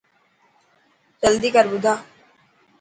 جلدي ڪر ٻڌا.